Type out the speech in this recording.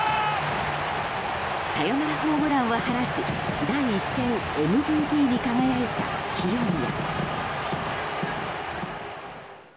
サヨナラホームランを放ち第１戦ＭＶＰに輝いた清宮。